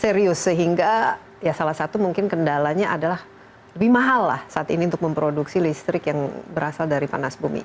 serius sehingga ya salah satu mungkin kendalanya adalah lebih mahal lah saat ini untuk memproduksi listrik yang berasal dari panas bumi